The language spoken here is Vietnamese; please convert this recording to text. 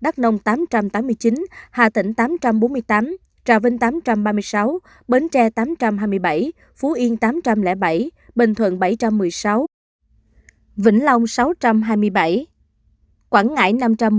đắk nông tám trăm tám mươi chín hà tĩnh tám trăm bốn mươi tám trà vinh tám trăm ba mươi sáu bến tre tám trăm hai mươi bảy phú yên tám trăm linh bảy bình thuận bảy trăm một mươi sáu vĩnh long sáu trăm hai mươi bảy quảng ngãi năm trăm một mươi ba